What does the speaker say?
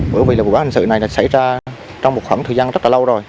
bởi vì vụ báo hành sự này đã xảy ra trong một khoảng thời gian rất là lâu rồi